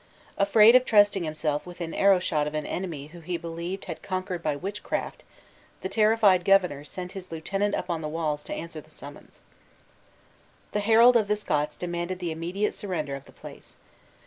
Afraid of trusting himself within arrow shot of an enemy who he believed conquered by witchcraft, the terrified governor sent his lieutenant up on the walls to answer the summons. The herald of the Scots demanded the immediate surrender of the place.